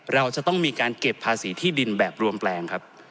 เราจะต้องมีการเก็บภาษีที่ดินแบบรวมแปลงครับ